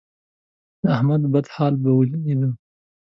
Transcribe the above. د احمد بد حال په لیدو،